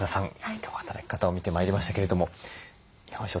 今日は働き方を見てまいりましたけれどもいかがでしょう？